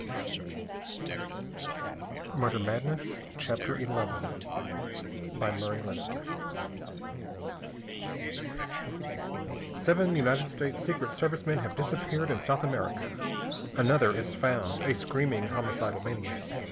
_] Murder Madness PART THREE OF A FOUR PART NOVEL By Murray Leinster Seven United States Secret Service men have disappeared in South America. Another is found a screaming homicidal maniac.